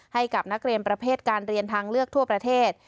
ให้กับนักเรียนประเภทการเรียนทางเลือกทั่วประเทศ